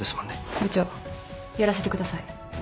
部長やらせてください。